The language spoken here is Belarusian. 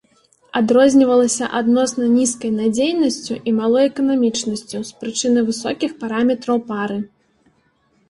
Адрознівалася адносна нізкай надзейнасцю і малой эканамічнасцю, з прычыны высокіх параметраў пары.